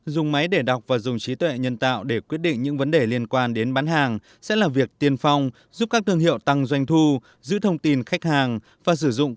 dùng máy để đọc và dùng trí tuệ nhân tạo để quyết định những vấn đề liên quan đến bán hàng sẽ là việc tiên phong giúp các thương hiệu tăng doanh thu giữ thông tin khách hàng và sử dụng các công